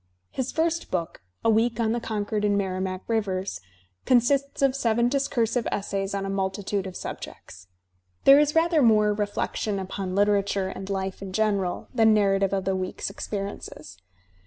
His first book, "A Week on the Concord and Merrimac Rivers," consists of seven discursive essays on a multitude of subjects. There is rather more reflection upon Uterature and life in general than narrative of the week's experiences.